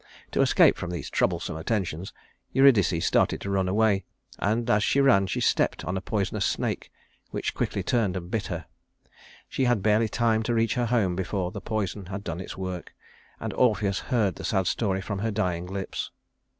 To escape from these troublesome attentions, Eurydice started to run away, and as she ran she stepped on a poisonous snake, which quickly turned and bit her. She had barely time to reach her home before the poison had done its work, and Orpheus heard the sad story from her dying lips.